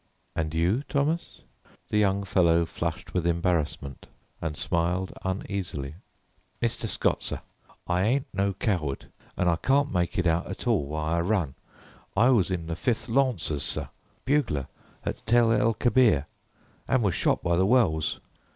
"And you, Thomas?" The young fellow flushed with embarrassment and smiled uneasily. "Mr. Scott, sir, I ain't no coward, an' I can't make it out at all why I run. I was in the 5th Lawncers, sir, bugler at Tel el Kebir, an' was shot by the wells."